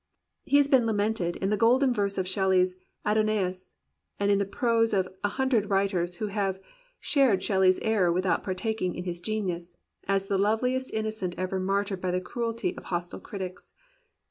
He has been lamented in the golden verse of Shelley's " Adonais," and in the prose of a hundred writers who have shared Shelley's error without partaking of his genius, as the loveliest innocent ever martyred by the cruelty of hostile critics.